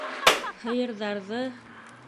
Һыйырҙарҙы...